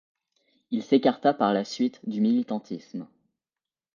Il s'écarta par la suite du militantisme.